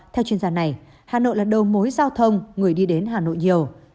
theo chuyên gia này hà nội là đầu mối giao thông người đi đến hà nội nhiều